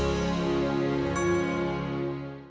ya udah aku mau